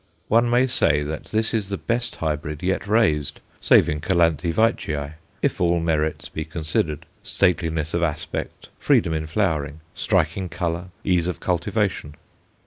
One may say that this is the best hybrid yet raised, saving Calanthe Veitchii, if all merits be considered stateliness of aspect, freedom in flowering, striking colour, ease of cultivation.